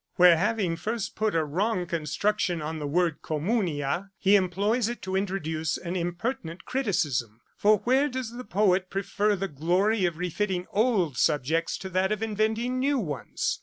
Where, having first put a wrong construction on the word comnmnia, he employs it to introduce an impertinent criticism. For where does the poet prefer the glory of refitting old subjects to that of inventing new ones?